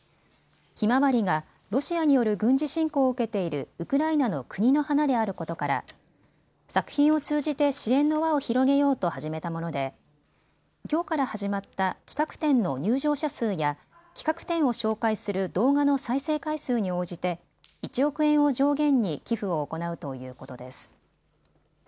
ひまわりがロシアによる軍事侵攻を受けているウクライナの国の花であることから作品を通じて支援の輪を広げようと始めたものできょうから始まった企画展の入場者数や企画展を紹介する動画の再生回数に応じて１億円を上限に寄付を行うということです。